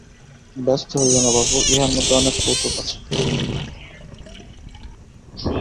ব্যস্ত হইয়ো না বাপু, ইহার মধ্যে অনেক কৌতুক আছে।